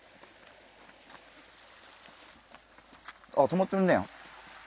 あっ止まってるね。